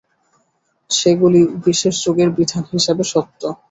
সেগুলি বিশেষ যুগের বিধান হিসাবে সত্য।